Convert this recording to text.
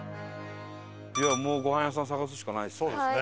もうごはん屋さん探すしかないですね。